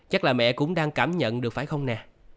chắc là mẹ cũng đang cảm nhận được phải không nè